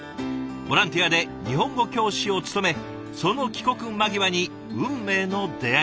ボランティアで日本語教師を務めその帰国間際に運命の出会いが。